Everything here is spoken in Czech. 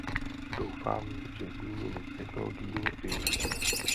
Doufám, že zmíněných technologií využijeme.